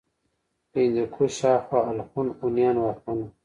له هندوکش هاخوا الخون هونيان واکمن وو